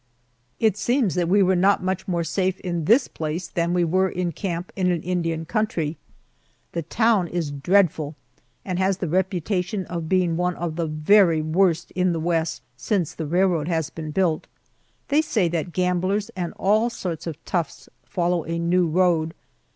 It seems that we are not much more safe in this place than we were in camp in an Indian country. The town is dreadful and has the reputation of being one of the very worst in the West since the railroad has been built. They say that gamblers and all sorts of "toughs" follow a new road.